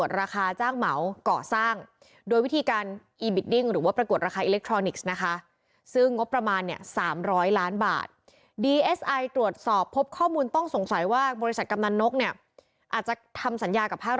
ตามมาอีกแน่นอนครับ